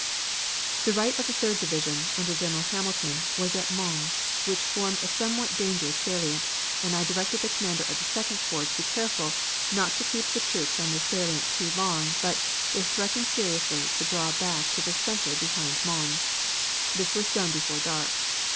"The right of the Third Division, under General Hamilton, was at Mons, which formed a somewhat dangerous salient; and I directed the commander of the Second Corps to be careful not to keep the troops on this salient too long, but, if threatened seriously, to draw back the center behind Mons. This was done before dark.